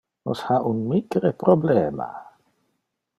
Nos ha un micre problema.